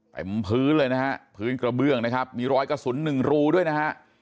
เต็มพื้นเลยนะฮะพื้นกระเบื้องนะครับมีรอยกระสุนหนึ่งรูด้วยนะฮะ